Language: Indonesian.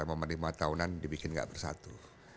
mama lima tahunan dibikin gak bersatu